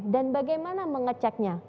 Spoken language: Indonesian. dan bagaimana mengeceknya